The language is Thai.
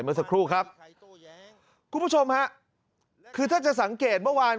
เมื่อสักครู่ครับคุณผู้ชมฮะคือถ้าจะสังเกตเมื่อวาน